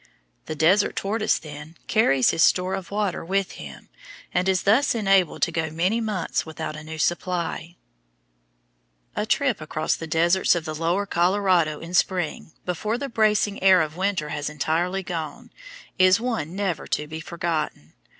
The desert tortoise, then, carries his store of water with him, and is thus enabled to go many months without a new supply. [Illustration: FIG. 83. THE GILA MONSTER] A trip across the deserts of the lower Colorado in spring, before the bracing air of winter has entirely gone, is one never to be forgotten.